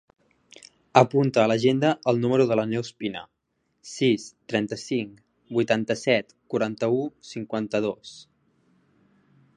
Apunta a l'agenda el número de la Neus Pina: sis, trenta-cinc, vuitanta-set, quaranta-u, cinquanta-dos.